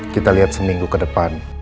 kita lihat seminggu ke depan